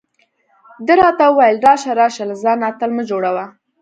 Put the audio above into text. ده راته وویل: راشه راشه، له ځانه اتل مه جوړه.